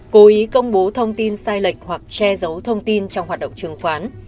cố ý công bố thông tin sai lệch hoặc che giấu thông tin trong hoạt động trường khoán